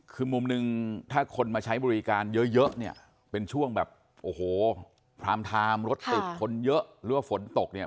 คือมุมหนึ่งถ้าคนมาใช้บริการเยอะเนี่ยเป็นช่วงแบบโอ้โหพรามไทม์รถติดคนเยอะหรือว่าฝนตกเนี่ย